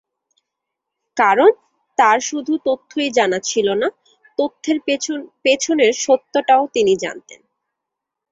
কারণ, তাঁর শুধু তথ্যই জানা ছিল না, তথ্যের পেছনের সত্যটাও তিনি জানতেন।